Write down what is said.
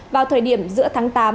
vào thời điểm giữa tháng tám